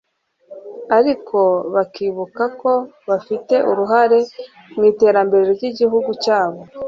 ariko bakibuka ko bafite uruhare mu iterambere ry’igihugu cyabo